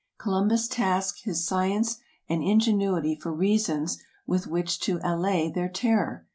Columbus tasked his science and ingenuity for reasons with which to allay their terror.